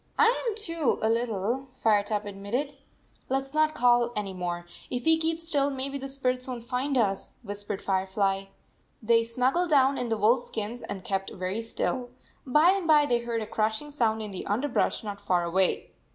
"I am too, a little," Firetop admitted. " Let s not call any more. If \ve keep still, maybe the spirits won t find us," whis pered Firefly. They snuggled down in the wolf skins and kept very still. By and by they heard a crashing sound in the underbrush not far away.